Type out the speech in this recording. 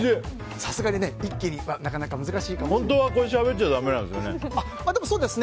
さすがに一気にはなかなか難しいですが。